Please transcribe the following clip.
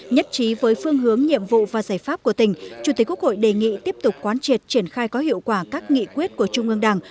nhất trí với phương hướng nhiệm vụ và giải pháp của tỉnh chủ tịch quốc hội đề nghị tiếp tục quán triệt triển khai có hiệu quả các nghị quyết của trung ương đảng